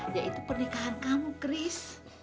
yaitu pernikahan kamu chris